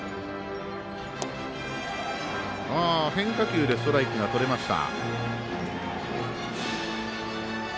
変化球でストライクがとれました。